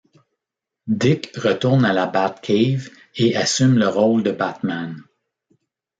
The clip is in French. Dick retourne à la Batcave et assume le rôle de Batman.